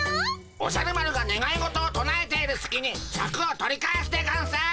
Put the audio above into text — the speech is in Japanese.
おじゃる丸がねがい事をとなえているすきにシャクを取り返すでゴンス。